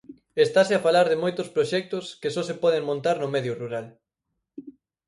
Estase a falar de moitos proxectos que só se poden montar no medio rural.